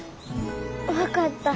分かった。